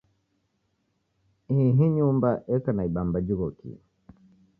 Ihi nyumba eka na ibamba jighokie.